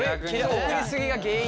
送り過ぎが原因で。